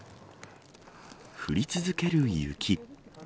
降り続ける雪。